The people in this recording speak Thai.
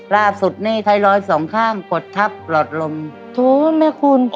ราบสุดนี่ไทรรอยสองข้างกดทับหลอดลมโถแม่คุณอ๋อ